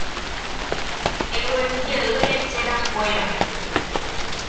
Eguerujey lecherakuéra.